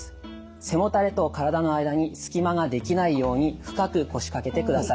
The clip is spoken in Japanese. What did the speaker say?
背もたれとからだの間に隙間が出来ないように深く腰かけてください。